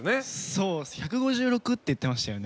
そうです。って言ってましたよね。